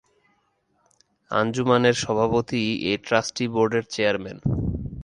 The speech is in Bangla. আঞ্জুমান-এর সভাপতিই এ ট্রাস্টি বোর্ড এর চেয়ারম্যান।